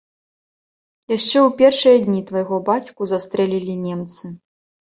Яшчэ ў першыя дні твайго бацьку застрэлілі немцы.